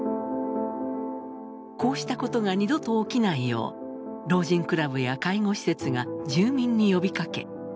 こうしたことが二度と起きないよう老人クラブや介護施設が住民に呼びかけ